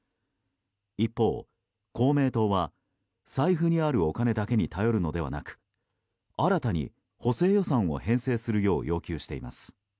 一方、公明党は財布にあるお金だけに頼るのではなく新たに補正予算を編成するよう要求しています。